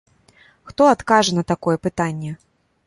Хто адкажа на такое пытанне?!